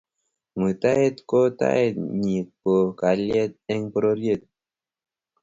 muitaet ko taet nyi ko kalyet eng pororiet